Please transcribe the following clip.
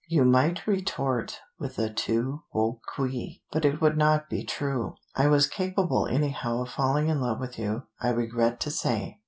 You might retort with a tu quoque, but it would not be true. I was capable anyhow of falling in love with you, I regret to say."